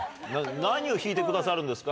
何を弾いてくださるんですか？